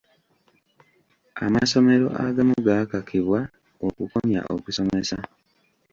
Amasomero agamu gaakakibwa okukomya okusomesa.